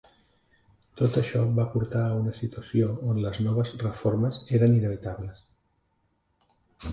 Tot això va portar a una situació on les noves reformes eren inevitables.